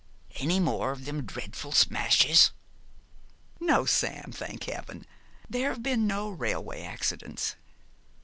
Any more of them dreadful smashes?' 'No, Sam, thank Heaven, there have been no railway accidents.'